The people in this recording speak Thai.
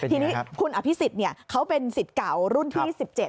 ทีนี้คุณอภิษฎิ์เนี่ยเขาเป็นศิษย์เก่ารุ่นที่๑๗